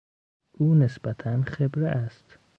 او نسبتا خبره است.